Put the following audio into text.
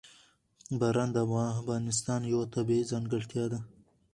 باران د افغانستان یوه طبیعي ځانګړتیا ده.